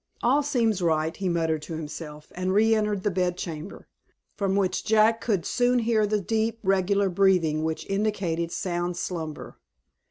"All seems right," he muttered to himself, and re entered the bed chamber, from which Jack could soon hear the deep, regular breathing which indicated sound slumber.